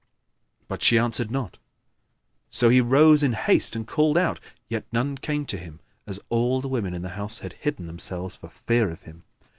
But she answered not; so he rose in haste and called out, yet none came to him, as all the women in the house had hidden themselves for fear of him.